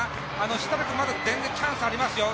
設楽君、まだ全然チャンスありますよ。